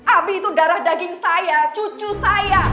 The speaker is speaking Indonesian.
abi itu darah daging saya cucu saya